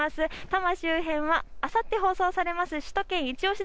多摩周辺はあさって放送されます首都圏いちオシ！